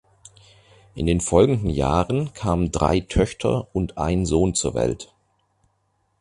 In den folgenden Jahren kamen drei Töchter und ein Sohn zur Welt.